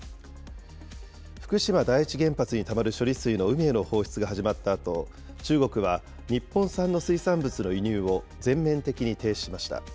福島第一原発にたまる処理水の海への放出が始まったあと、中国は日本産の水産物の輸入を全面的に停止しました。